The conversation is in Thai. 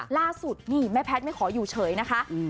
ล่าสุดนี่แม่แพทย์ไม่ขออยู่เฉยนะคะ